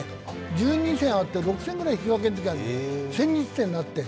１２戦あって６戦ぐらい引き分けがある、千日手になって。